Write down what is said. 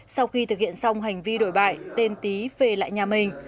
sau khi thực hiện xong hành vi đổi bại tên tý về lại nhà mình